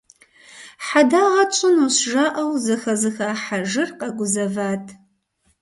«Хьэдагъэ тщӏынущ» жаӏэу зыхэзыха хьэжьыр къэгузэват.